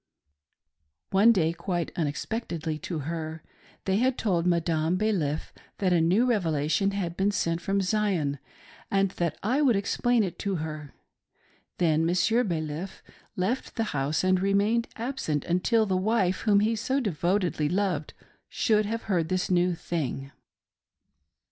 One day, quite unexpectedly to her, they had told Madame Baliff that a new Revelation had been sent from Zion, and that I would explain it to her; then Monsieur Baliff left the house and remained absent until the wife whom he so devotedly loved should have heard this new thing.